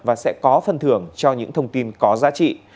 và sẽ có phần thưởng cho những thông tin có giá trị